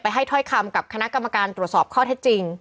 ให้ถ้อยคำกับคณะกรรมการตรวจสอบข้อเท็จจริง